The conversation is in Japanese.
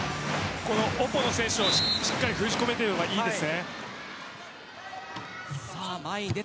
オポジットの選手をしっかり封じ込めているのがいいです。